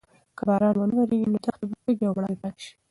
که باران ونه وریږي نو دښتې به تږې او مړاوې پاتې شي.